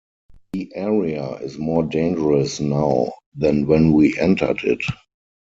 The area is more dangerous now than when we entered it.